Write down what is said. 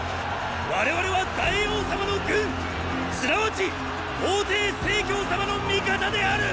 我々は大王様の軍すなわち王弟成様の味方である！